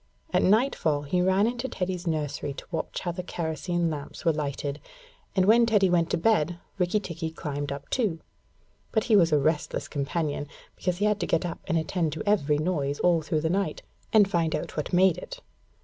At nightfall he ran into Teddy's nursery to watch how the kerosene lamps were lighted, and when Teddy went to bed Rikki tikki climbed up too; but he was a restless companion, because he had to get up and attend to every noise all through the night, and find out what made it.